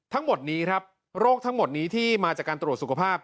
ทั้งหมดนี้ครับโรคทั้งหมดนี้ที่มาจากการตรวจสุขภาพ